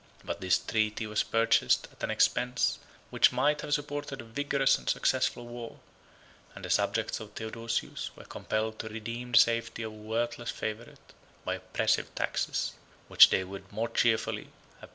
But this treaty was purchased at an expense which might have supported a vigorous and successful war; and the subjects of Theodosius were compelled to redeem the safety of a worthless favorite by oppressive taxes, which they would more cheerfully have paid for his destruction.